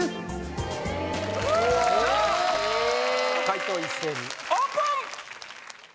解答一斉にオープン！